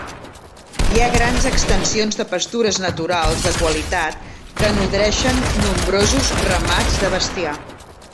Hi ha grans extensions de pastures naturals de qualitat que nodreixen nombrosos ramats de bestiar.